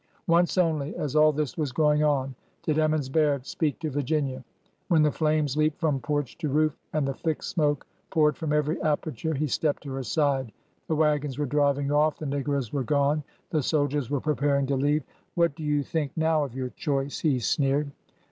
Once only, as all this was going on, did Emmons Baird speak to Virginia. When the flames leaped from porch to roof and the thick smoke poured from every aperture, he stepped to her side. The wagons were driving off —the negroes were gone— the soldiers were preparing to leave. '' What do you think now of your choice?." he sneered.